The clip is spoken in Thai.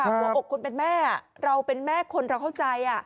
หัวอกคนเป็นแม่เราเป็นแม่คนเราเข้าใจ